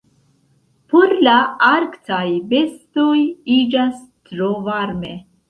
Por la arktaj bestoj iĝas tro varme.